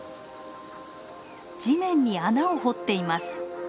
地面に穴を掘っています。